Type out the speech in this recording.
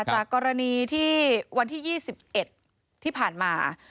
จากกรณีที่วันที่๒๑ที่ผ่านมา